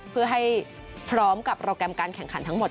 เพื่อให้พร้อมกับโปรแกรมการแข่งขันทั้งหมด